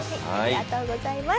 ありがとうございます。